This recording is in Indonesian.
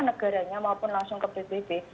negaranya maupun langsung ke pbb